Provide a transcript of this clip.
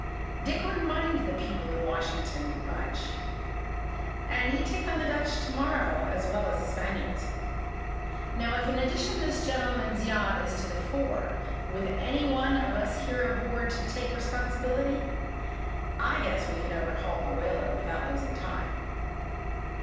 Dick wouldn't mind the people in Washington much, and he'd take on the Dutch to morrow as well as the Spaniards. Now, if in addition this gentleman's yacht is to the fore, with any one of us here aboard to take responsibility, I guess we can overhaul the whaler without losing time."